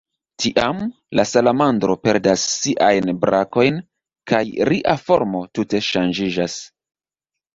Tiam, la salamandro perdas siajn brankojn, kaj ria formo tute ŝanĝiĝas.